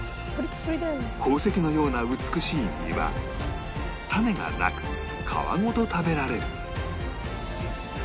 宝石のような美しい実は種がなく皮ごと食べられる